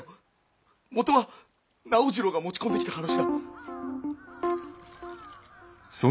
もとは直次郎が持ち込んできた話だ。